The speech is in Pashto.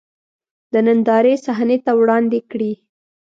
د نندارې صحنې ته وړاندې کړي.